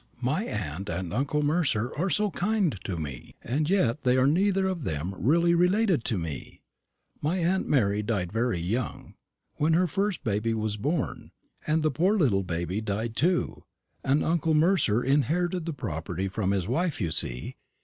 "My aunt and uncle Mercer are so kind to me; and yet they are neither of them really related to me. My aunt Mary died very young, when her first baby was born, and the poor little baby died too: and uncle Mercer inherited the property from his wife, you see.